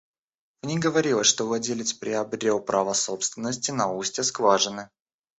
В них говорилось, что владелец приобрел право собственности на устье скважины.